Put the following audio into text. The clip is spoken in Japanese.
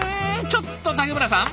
ちょっと竹村さん！